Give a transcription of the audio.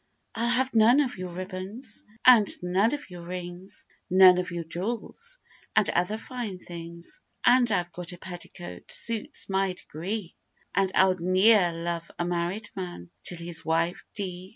'I'll have none of your ribbons, and none of your rings, None of your jewels, and other fine things; And I've got a petticoat suits my degree, And I'll ne'er love a married man till his wife dee.